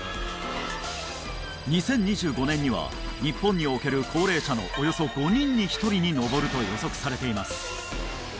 ２０２５年には日本における高齢者のおよそ５人に１人に上ると予測されています